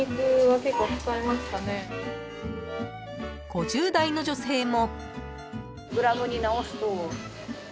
［５０代の女性も］